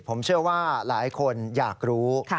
ผมเชื่อว่าหลายคนอยากรู้